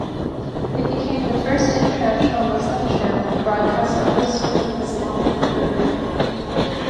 It became the First International Muslim channel to broadcast a host of Islamic programming.